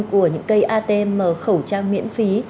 của những cây atm khẩu trang miễn phí